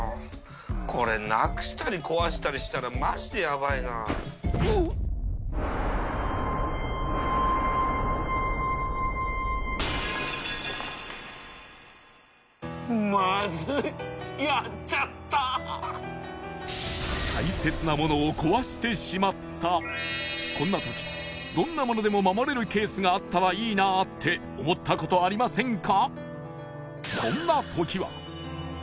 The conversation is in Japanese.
これなくしたり壊したりしたらマジでヤバいなまずいっこんな時どんなものでも守れるケースがあったらいいなって思ったことありませんか？